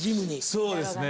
そうですね。